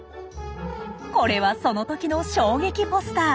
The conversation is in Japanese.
これはその時の衝撃ポスター。